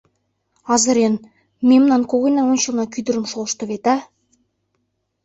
Азырен, мемнан когыньнан ончылнак ӱдырым шолышто вет, а!..